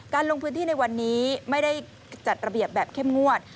ลงพื้นที่ในวันนี้ไม่ได้จัดระเบียบแบบเข้มงวด